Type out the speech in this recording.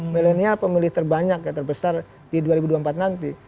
milenial pemilih terbanyak ya terbesar di dua ribu dua puluh empat nanti